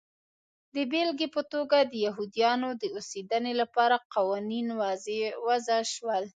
د بېلګې په توګه د یهودیانو د اوسېدنې لپاره قوانین وضع شول.